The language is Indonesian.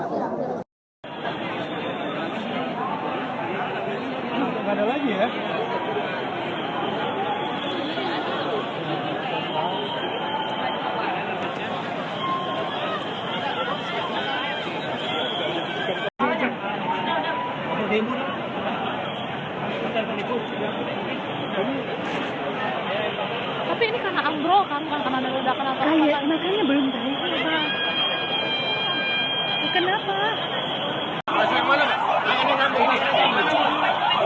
jangan lupa subscribe channel ini untuk dapat info terbaru dari kami